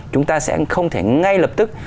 chúng ta sẽ không thể ngay lập tức